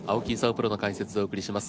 プロの解説でお送りします。